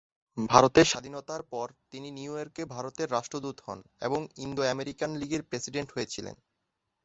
ভারতের স্বাধীনতার পর তিনি নিউ ইয়র্কে ভারতের রাষ্ট্রদূত হন এবং ইন্দো-আমেরিকান লিগের প্রেসিডেন্ট হয়েছিলেন।